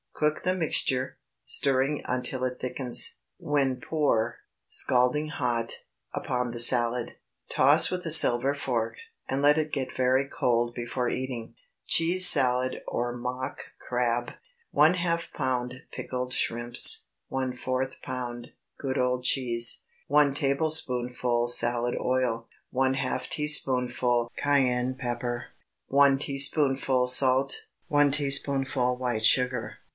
Cook the mixture, stirring until it thickens, when pour, scalding hot, upon the salad. Toss with a silver fork, and let it get very cold before eating. CHEESE SALAD, OR MOCK CRAB. ½ lb. pickled shrimps. ¼ lb. good old cheese. 1 tablespoonful salad oil. ½ teaspoonful cayenne pepper. 1 teaspoonful salt. 1 teaspoonful white sugar.